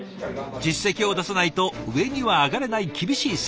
実績を出さないと上には上がれない厳しい世界。